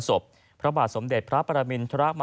ที่มีโอกาสได้ไปชม